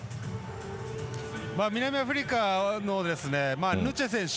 南アフリカのヌチェ選手